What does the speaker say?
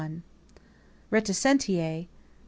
Reticentiż gr.